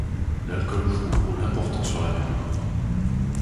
L’alcool joue un rôle important sur la mémoire.